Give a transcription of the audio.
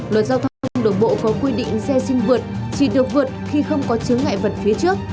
luật giao thông đường bộ có quy định xe sinh vượt chỉ được vượt khi không có chứng ngại vật phía trước